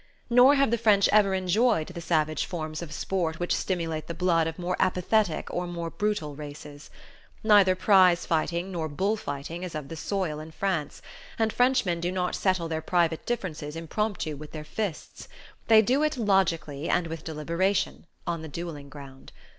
Nor have the French ever enjoyed the savage forms of sport which stimulate the blood of more apathetic or more brutal races. Neither prize fighting nor bull fighting is of the soil in France, and Frenchmen do not settle their private differences impromptu with their fists: they do it, logically and with deliberation, on the duelling ground.